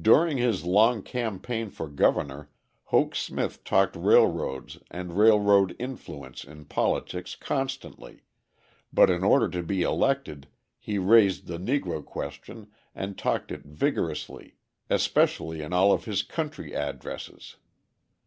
During his long campaign for governor Hoke Smith talked railroads and railroad influence in politics constantly, but in order to be elected he raised the Negro question and talked it vigorously, especially in all of his country addresses.